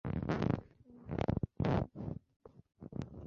তুমি আর কিছুই করতে পারবে না।